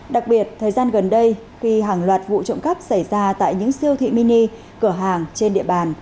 đặc biệt thời gian gần đây khi hàng loạt vụ trộm cắp xảy ra tại những siêu thị mini cửa hàng trên địa bàn